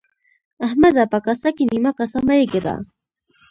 احمده! په کاسه کې نيمه کاسه مه اېږده.